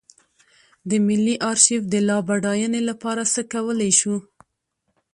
د ملي ارشیف د لا بډاینې لپاره څه کولی شو.